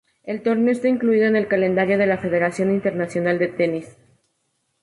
El torneo está incluido en el calendario de la Federación Internacional de Tenis.